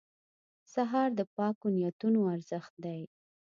سهار د پاکو نیتونو ارزښت دی.